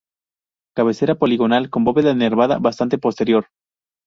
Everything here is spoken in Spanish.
Cabecera poligonal con bóveda nervada bastante posterior.